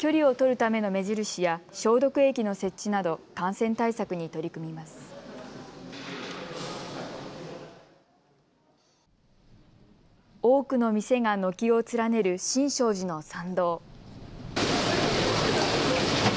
多くの店が軒を連ねる新勝寺の参道。